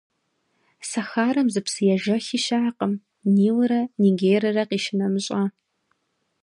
Сахарэм зы псыежэхи щыӏэкъым, Нилрэ Нигеррэ къищынэмыщӏа.